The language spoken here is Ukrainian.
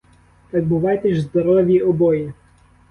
Так бувайте ж здорові обоє!